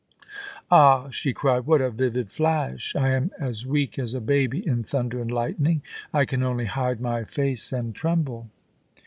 Ah !' she cried, * what a vivid flash ! I am as weak as a baby in thunder and lightning. I can only hide my face and tremble.'